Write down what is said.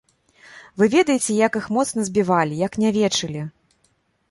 Вы ведаеце, як іх моцна збівалі, як нявечылі.